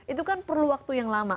itu kan perlu waktu yang lama